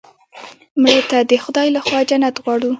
مړه ته د خدای له خوا جنت غواړو